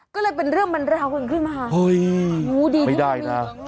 ก็เลยเป็นเรื่องมันราวกันขึ้นมาเฮ้ยไม่ได้นะ